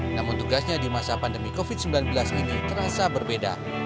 namun tugasnya di masa pandemi covid sembilan belas ini terasa berbeda